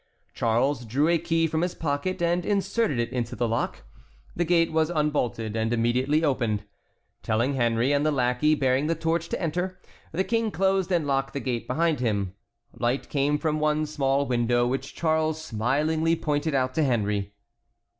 Charles drew a key from his pocket and inserted it into the lock. The gate was unbolted and immediately opened. Telling Henry and the lackey bearing the torch to enter, the King closed and locked the gate behind him. Light came from one small window which Charles smilingly pointed out to Henry.